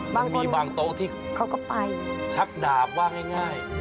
มันมีบางโต๊ะที่เขาก็ไปชักดาบว่าง่าย